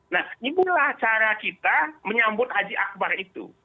nah inilah cara kita menyambut haji akbar itu